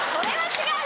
違う！